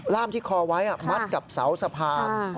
ล่ามที่คอไว้มัดกับเสาสะพาน